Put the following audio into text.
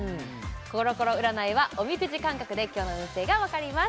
コロコロ占いはおみくじ感覚で今日の運勢が分かります